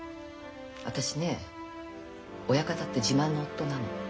私ね親方って自慢の夫なの。